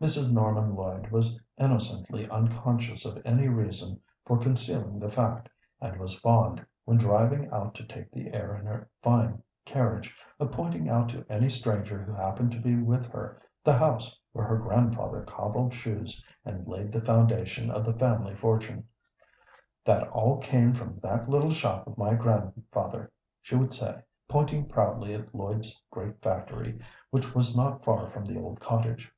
Mrs. Norman Lloyd was innocently unconscious of any reason for concealing the fact, and was fond, when driving out to take the air in her fine carriage, of pointing out to any stranger who happened to be with her the house where her grandfather cobbled shoes and laid the foundation of the family fortune. "That all came from that little shop of my grandfather," she would say, pointing proudly at Lloyd's great factory, which was not far from the old cottage.